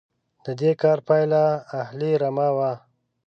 د دې کار پایله اهلي رمه وه.